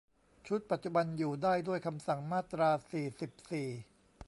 ชุดปัจจุบัน อยู่ได้ด้วยคำสั่งมาตรา สี่สิบสี่